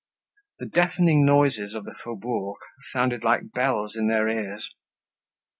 The deafening noises of the faubourg sounded like bells in their ears.